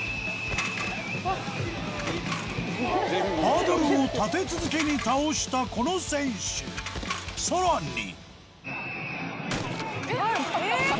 ハードルを立て続けに倒したこの選手さらに！